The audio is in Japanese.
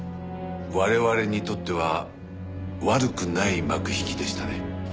我々にとっては悪くない幕引きでしたね。